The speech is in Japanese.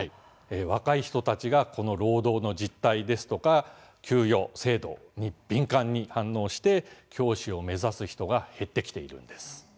若い人たちが労働の実態や給与制度に敏感に反応して教師を目指す人が減ってきているんです。